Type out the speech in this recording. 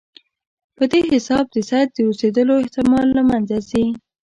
په دې حساب د سید د اوسېدلو احتمال له منځه ځي.